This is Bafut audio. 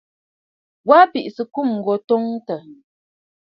Wa bɨ sɨ̀ ɨkum gho twoŋtə̀.